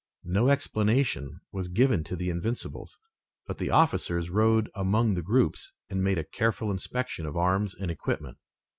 No explanation was given to the Invincibles, but the officers rode among the groups and made a careful inspection of arms and equipment.